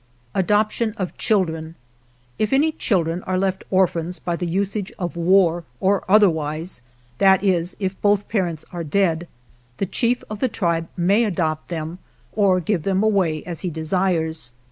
Adoption of Children If any children are left orphans by the usage of war or otherwise, that is, if both parents are dead, the chief of the tribe may adopt them or give them away as he desires.